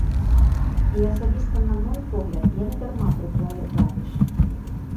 І асабіста на мой погляд, яны дарма прыбралі клавішы.